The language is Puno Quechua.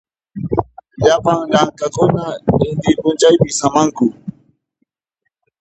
Llapan llamk'aqkuna inti p'unchaypi samanku.